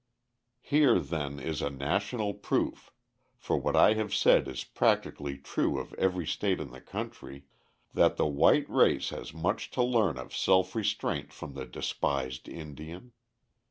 Here, then, is a national proof for what I have said is practically true of every state in the country that the white race has much to learn of self restraint from the despised Indian.